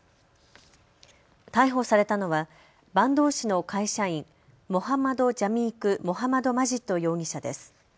逮捕されたのは坂東市の会社員、モハマドジャミーク・モハマドマジッド容疑者です。